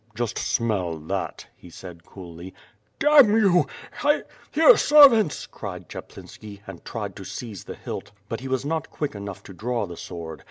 "Just smell that," he said coolly. "Damn you — here servants^" cried Chaplinski, and tried to seize the hilt. But he was not quick enough to draw the sword.